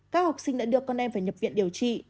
các học sinh đã đưa con em phải nhập viện điều trị